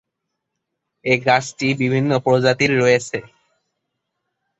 এ গাছটি বিভিন্ন প্রজাতির রয়েছে।